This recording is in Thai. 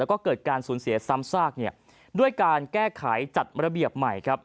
แล้วก็เกิดการสูญเสียซ้ำซากด้วยการแก้ไขจัดระเบียบใหม่ครับ